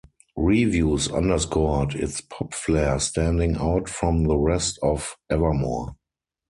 Reviews underscored its pop flair standing out from the rest of "Evermore".